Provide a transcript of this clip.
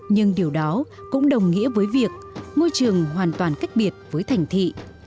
nhưng điều đó cũng đồng nghĩa với việc môi trường hoàn toàn cách biệt với thành thị